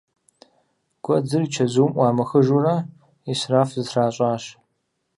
Гуэдзыр и чэзум ӏуамыхыжурэ ӏисраф зэтращӏащ.